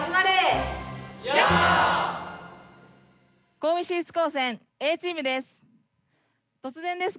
神戸市立高専Ａチームです。